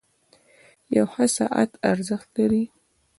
• یو ښه ساعت ارزښت لري.